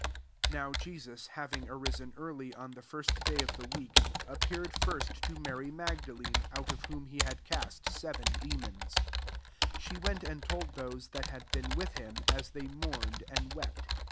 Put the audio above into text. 9^[/fOW Jesus having a rUen early on the Jir^t day (^ the week, appeared Jir^t to Mary Magdalene^ out qf whom he had cast seven demons, 10 She went and told those that had been with himy as they mourned and wefit.